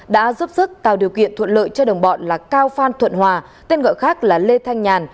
đã giúp sức tạo điều kiện thuận lợi cho đồng bọn là cao phan thuận hòa tên gọi khác là lê thanh nhàn